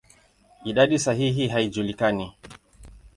Idadi sahihi haijulikani.